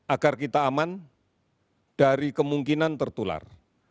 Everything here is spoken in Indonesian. agar kita aman dari kemungkinan tertular